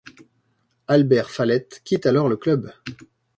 Albert Falette quitte alors le club.